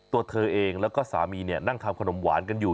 เธอเองและสามีนั่งทำขนมหวานกันอยู่